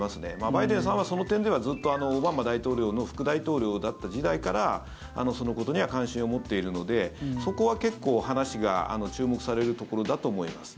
バイデンさんはその点ではずっとオバマ大統領の副大統領だった時代からそのことには関心を持っているのでそこは結構、話が注目されるところだと思います。